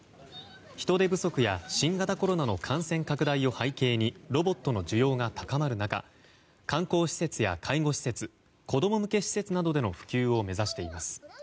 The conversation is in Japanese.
人手不足や新型コロナの感染拡大を背景にロボットの需要が高まる中観光施設や介護施設子供向け施設などでの普及を目指しています。